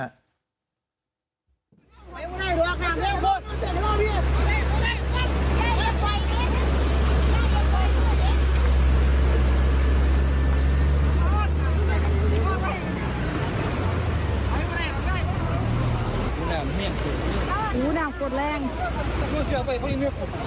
อุ้วน่าโกรธแรง